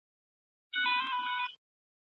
چا دا کتاب په پښتو ژبه ژباړلی دی؟